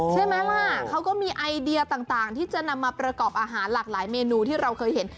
ใช่ไหมล่ะเขาก็มีไอเดียต่างที่จะนำมาประกอบอาหารหลากหลายเมนูที่เราเคยเห็น